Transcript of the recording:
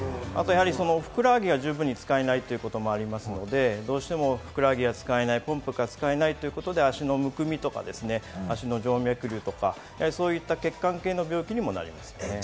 あと、ふくらはぎが十分に使えないこともありますので、どうしてもふくらはぎが使えない、ポンプが使えないということで、足のむくみとかですね、足の静脈瘤とか、そういった血管系の病気にもなります。